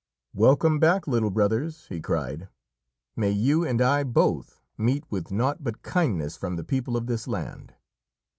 "Welcome back, little brothers!" he cried. "May you and I both meet with naught but kindness from the people of this land!"